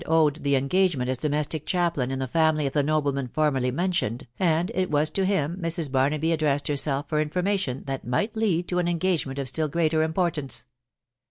owed the engagement as domestic chaplain in the family «of the nobleman formerly mentioned, and it was to him Mrs. Barnafey addressed herself for information that might lead to an engagement of still greater importance.